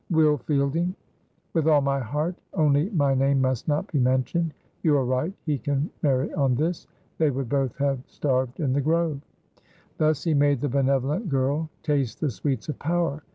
"Will Fielding." "With all my heart. Only my name must not be mentioned. You are right. He can marry on this. They would both have starved in 'The Grove.'" Thus he made the benevolent girl taste the sweets of power.